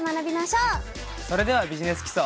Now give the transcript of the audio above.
それでは「ビジネス基礎」。